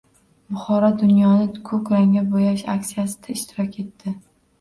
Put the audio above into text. Buxoro “Dunyoni ko‘k rangga bo‘yash” aksiyasida ishtirok etdi